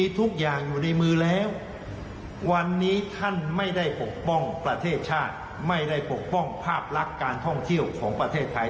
ที่ท่านไม่ได้ปกป้องประเทศชาติไม่ได้ปกป้องภาพลักษณ์การท่องเที่ยวของประเทศไทย